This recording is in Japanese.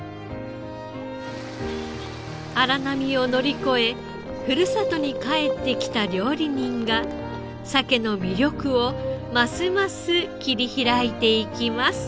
荒波を乗り越えふるさとに帰ってきた料理人がサケの魅力をますます切り開いていきます。